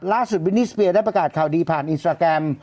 ล่าสุดบิดนี่สเปียร์ได้ประกาศข่าวดีผ่านอินสตราแกรม